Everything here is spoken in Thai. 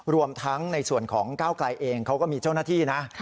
รวมทั้งในส่วนของก้าวไกลเองเขาก็มีเจ้าหน้าที่นะ